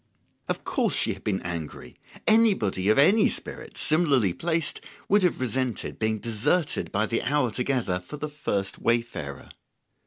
Of course she had been angry; anybody of any spirit, similarly placed, would have resented being deserted by the hour together for the first wayfarer.